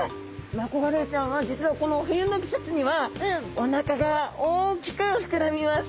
マコガレイちゃんは実はこの冬の季節にはおなかが大きく膨らみます。